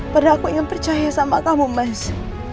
pada aku yang percaya sama kamu mas